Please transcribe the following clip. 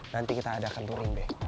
nanti kita adakan touring be